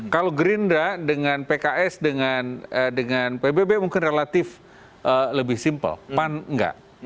kalau gerindra dengan pks dengan pbb mungkin relatif lebih simple pan enggak